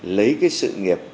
lấy cái sự nghiệp